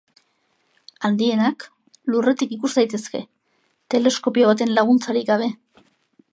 Handienak Lurretik ikus daitezke teleskopio baten laguntzarik gabe.